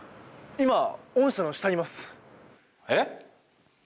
今御社の下にいますえっ！？